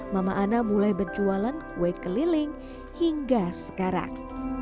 mama ana mulai berjualan kue keliling hingga sekarang